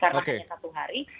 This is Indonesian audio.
karena hanya satu hari